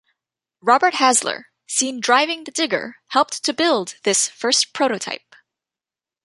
Robert Hasler, seen driving the Digger, helped to build this first prototype.